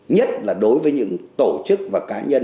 nhất là đối với những tổ chức và cá nhân